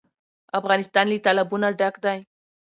افغانستان له تالابونه ډک دی.